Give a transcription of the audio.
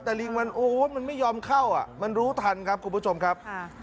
แต่ลิงมันโอ้มันไม่ยอมเข้าอ่ะมันรู้ทันครับคุณผู้ชมครับ